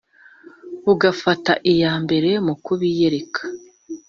bugafata iya mbere mu kubiyereka.